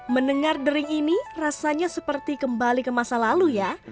mendengar dering ini rasanya seperti kembali ke masa lalu ya